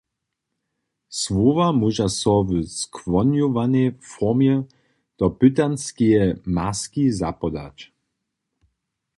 Słowa móža so w skłonjowanej formje do pytanskeje maski zapodać.